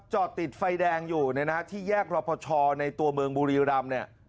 จอดติดไฟแดงอยู่เนี่ยนะที่แยกรอปชในตัวเมืองบุรีรำเนี่ย